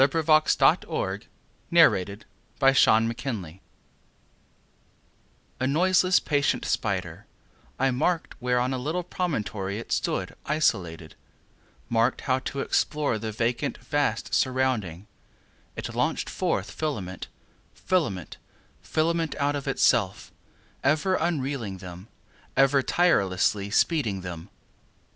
Leaves of Grass. 1900. 208. A Noiseless Patient Spider A NOISELESS, patient spider,I mark'd, where, on a little promontory, it stood, isolated; Mark'd how, to explore the vacant, vast surrounding, It launch'd forth filament, filament, filament, out of itself; Ever unreeling them—ever tirelessly speeding them.